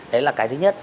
đấy là cái thứ nhất